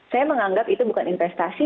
saya menganggap itu bukan investasi